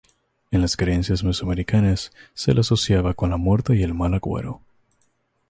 En las creencias mesoamericanas, se le asociaba con la muerte y el mal agüero.